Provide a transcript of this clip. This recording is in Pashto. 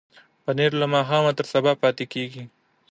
پنېر له ماښامه تر سبا پاتې کېږي.